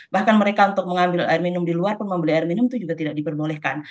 bahkan mereka untuk mengambil air minum di luar pun membeli air minum itu juga tidak diperbolehkan